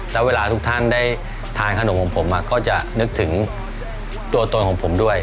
แล้วเวลาทุกท่านได้ทานขนมของผมก็จะนึกถึงตัวตนของผมด้วย